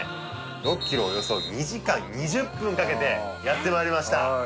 ６キロをおよそ２時間２０分かけてやって参りました